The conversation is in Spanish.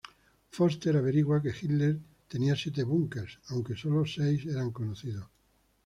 Foster averigua que Hitler tenía siete búnkeres, aunque solo seis eran conocidos.